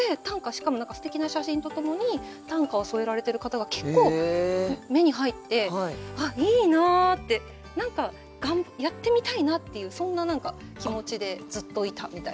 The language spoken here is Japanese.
しかもすてきな写真とともに短歌を添えられてる方が結構目に入って「あっいいな」って何かやってみたいなっていうそんな何か気持ちでずっといたみたいな。